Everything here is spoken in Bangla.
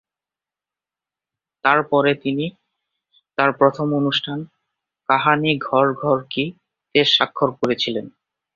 তারপরে তিনি তার প্রথম অনুষ্ঠান "কাহানি ঘর ঘর কি"-তে স্বাক্ষর করেছিলেন।